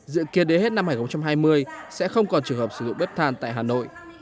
dự kiến đến hết năm hai nghìn hai mươi sẽ không còn trường hợp sử dụng bếp than tại hà nội